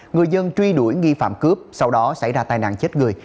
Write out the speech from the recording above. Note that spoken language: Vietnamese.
người dân truy đuổi nghi phạm cướp sau đó xảy ra tai nạn chết người